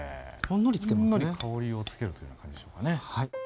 ほんのり香りを付けるというような感じでしょうかね。